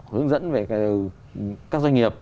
hướng dẫn về các doanh nghiệp